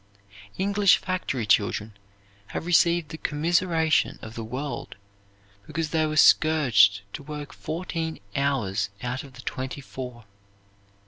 English factory children have received the commiseration of the world because they were scourged to work fourteen hours out of the twenty four.